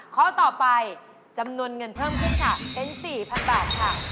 ข้อต่อไปจำนวนเงินเพิ่มขึ้นค่ะเป็น๔๐๐๐บาทค่ะ